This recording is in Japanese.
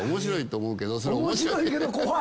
面白いけど怖い。